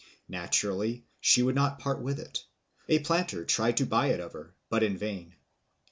Naturally, she would not part with it; a planter tried to buy it of her, but in vain.